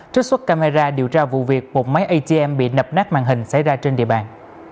trích xuất camera điều tra vụ việc một máy atm bị nập nát màn hình xảy ra trên địa bàn